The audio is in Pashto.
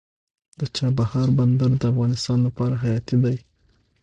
د چابهار بندر د افغانستان لپاره حیاتي دی